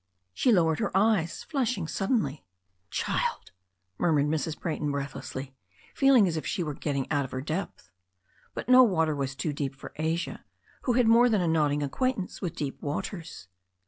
She lowered her eyes, flushing suddenly. "Child!" murmured Mrs. Brayton breathlessly, feeling as if she were getting out of her depth. But no water was too deep for Asia, who had more than a nodding acquaintance with deep waters.